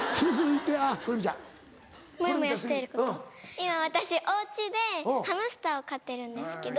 今私お家でハムスターを飼ってるんですけど。